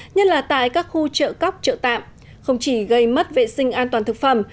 nhất là tại các khu chợ cóc chợ tạm không chỉ gây mất vệ sinh an toàn thực phẩm